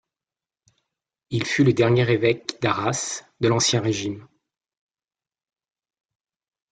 Il fut le dernier évêque d'Arras de l'Ancien Régime.